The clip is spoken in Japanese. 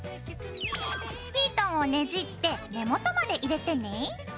ヒートンをねじって根元まで入れてね。